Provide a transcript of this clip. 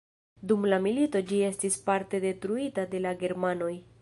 Dum la milito ĝi estis parte detruita de la germanoj.